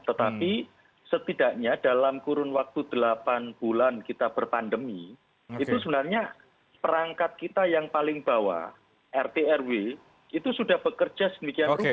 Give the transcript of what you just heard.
tetapi setidaknya dalam kurun waktu delapan bulan kita berpandemi itu sebenarnya perangkat kita yang paling bawah rt rw itu sudah bekerja semikian rupa